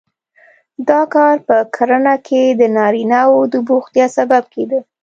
دا کار په کرنه کې د نارینه وو د بوختیا سبب کېده